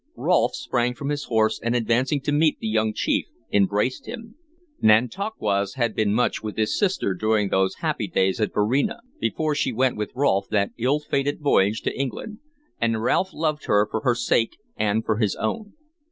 Rolfe sprang from his horse, and advancing to meet the young chief embraced him. Nantauquas had been much with his sister during those her happy days at Varina, before she went with Rolfe that ill fated voyage to England, and Rolfe loved him for her sake and for his own.